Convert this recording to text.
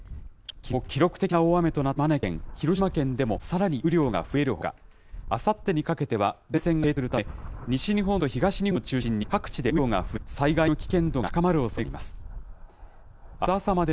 きのう、記録的な大雨となった鳥取県や島根県、広島県でも、さらに雨量が増えるほか、あさってにかけては前線が停滞するため、西日本と東日本を中心に各地で雨量が増え、災害の危険度が高まるおそれがあります。